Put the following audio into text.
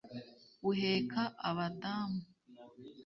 Buheka Abadamu,